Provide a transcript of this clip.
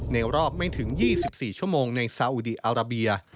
รอบไม่ถึง๒๔ชั่วโมงในซาอุดีอาราเบีย